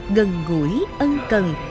ngần gũi ân cần